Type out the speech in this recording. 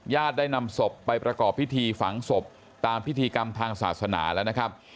ได้นำศพไปประกอบพิธีฝังศพตามพิธีกรรมทางศาสนาแล้วนะครับ